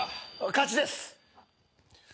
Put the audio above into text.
勝ちです。